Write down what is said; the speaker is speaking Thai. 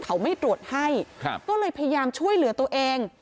เขาไม่ตรวจให้ก็เลยพยายามช่วยเหลือตัวเอง